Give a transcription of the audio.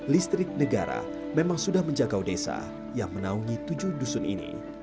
listrik negara memang sudah menjaga desa yang menaungi tujuh dusun ini